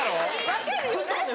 分かるよね。